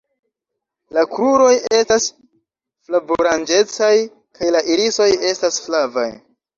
La kruroj estas flavoranĝecaj kaj la irisoj estas flavaj.